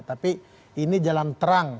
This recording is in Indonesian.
tapi ini jalan terang